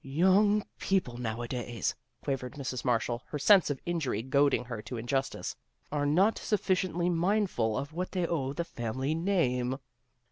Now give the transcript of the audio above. " Young people nowadays," quavered Mrs. Marshall, her sense of injury goading her to injustice, " are not sufficiently mindful of what they owe the family name."